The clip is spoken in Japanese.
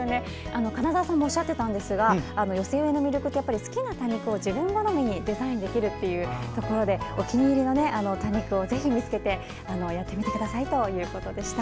金沢さんもおっしゃっていたんですが寄せ植えの魅力は、好きな多肉を自分好みにデザインできるところでお気に入りの多肉をぜひ見つけてやってみてくださいということでした。